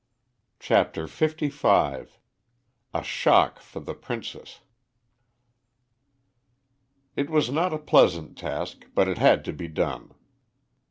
CHAPTER LV A SHOCK FOR THE PRINCESS It was not a pleasant task, but it had to be done.